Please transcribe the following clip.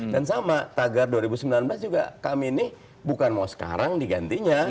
dan sama tagar dua ribu sembilan belas juga kami ini bukan mau sekarang digantinya